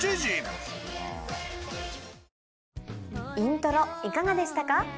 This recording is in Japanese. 『イントロ』いかがでしたか？